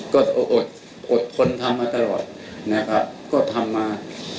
ก็อดอดทนทำมาตลอดนะครับก็ทำมา